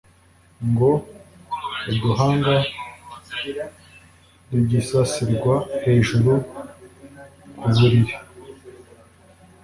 ngo uduhanga dugisasirwa hejuru kubulili